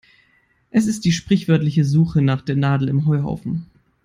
Es ist die sprichwörtliche Suche nach der Nadel im Heuhaufen.